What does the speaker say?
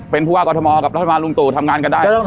เป็นผู้ว่ากรทมกับรัฐบาลลุงตู่ทำงานกันได้